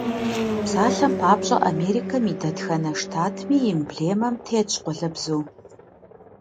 Псалъэм папщӀэ, Америкэм и дэтхэнэ штатми и эмблемэм тетщ къуалэбзу.